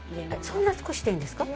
そんな少しでいいんですか？